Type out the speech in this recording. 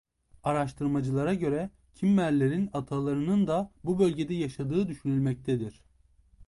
Araştırmacılara göre Kimmerlerin atalarının da bu bölgede yaşadığı düşünülmektedir.